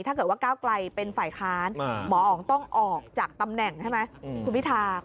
ถ้าเก้าไกรเป็นฝ่ายค้านหมออ๋องต้องออกจากตำแหน่งใช่ไหม